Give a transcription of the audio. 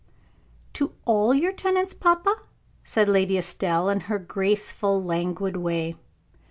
"To all your tenants, papa?" said Lady Estelle, in her graceful, languid way.